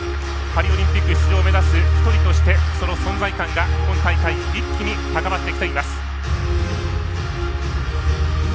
パリオリンピック出場を目指す１人としてその存在感が、今大会一気に高まってきています。